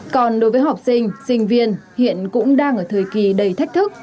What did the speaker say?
còn đối với học sinh sinh viên hiện cũng đang ở thời kỳ đầy thách thức